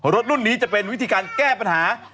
รุ่นนี้จะเป็นวิธีการแก้ปัญหา